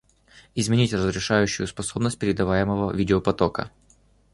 Изменить разрешающую способность передаваемого видеопотока